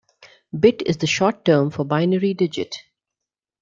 Bit is the short term for binary digit.